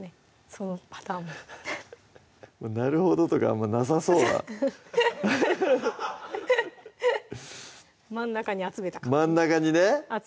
そのパターンも「なるほど」とかもなさそうな真ん中に集めた真ん中にね